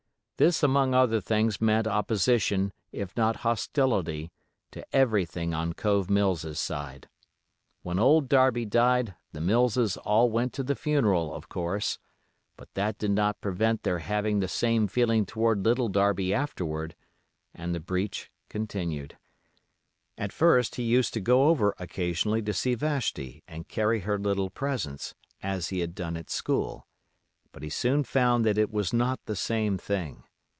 This among other things meant opposition, if not hostility, to everything on Cove Mills's side. When old Darby died the Millses all went to the funeral, of course; but that did not prevent their having the same feeling toward Little Darby afterward, and the breach continued. At first he used to go over occasionally to see Vashti and carry her little presents, as he had done at school; but he soon found that it was not the same thing.